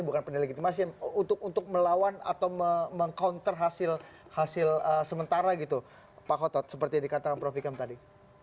bukan pendelegitimasi untuk melawan atau meng counter hasil sementara gitu pak khotot seperti yang dikatakan prof ikam tadi